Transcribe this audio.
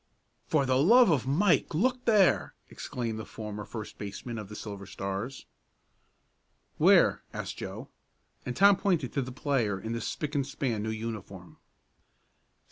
"For the love of Mike, look there!" exclaimed the former first baseman of the Silver Stars. "Where?" asked Joe, and Tom pointed to the player in the spick and span new uniform.